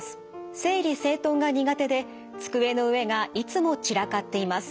整理整頓が苦手で机の上がいつも散らかっています。